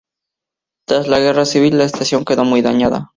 Tras la Guerra Civil la estación quedó muy dañada.